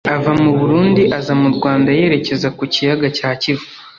Ava mu Burundi aza mu Rwanda yerekeza ku Kiyaga cya Kivu